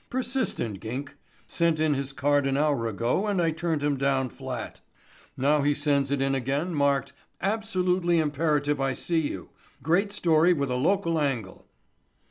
Persistent gink. Sent in his card an hour ago and I turned him down flat. Now he sends it in again marked 'absolutely imperative I see you—great story with a local angle.